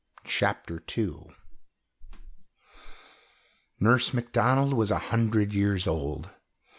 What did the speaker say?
CHAPTER II Nurse Macdonald was a hundred years old.